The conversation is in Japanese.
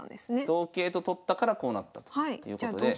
同桂と取ったからこうなったということで。